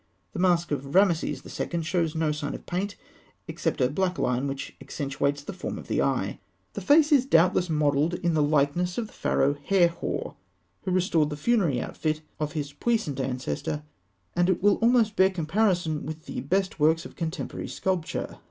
The mask of Rameses II. shows no sign of paint, except a black line which accentuates the form of the eye. The face is doubtless modelled in the likeness of the Pharaoh Herhor, who restored the funerary outfit of his puissant ancestor, and it will almost bear comparison with the best works of contemporary sculpture (fig.